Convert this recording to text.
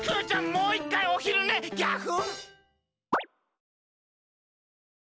もう１かいおひるね！ギャフン！